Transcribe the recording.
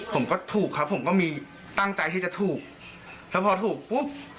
ผมก็ถูกครับผมก็มีตั้งใจที่จะถูกแล้วพอถูกปุ๊บ